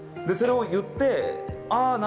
それを言ってああ